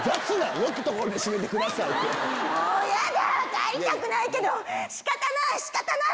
帰りたくないけど仕方ない仕方ない！